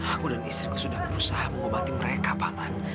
aku dan istriku sudah berusaha mengobati mereka paman